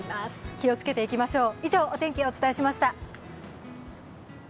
気をつけていきましょう。